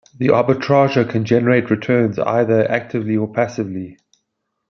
The arbitrageur can generate returns either actively or passively.